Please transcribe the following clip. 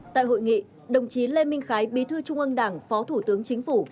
tại hội nghị đồng chí lê minh khái bí thư trung ương đảng phó thủ tướng chính phủ